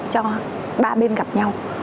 cho ba bên gặp nhau